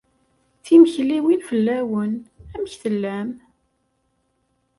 Timekliwin fell-awen. Amek tellam?